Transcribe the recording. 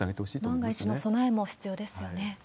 万が一の備えも必要ですよね。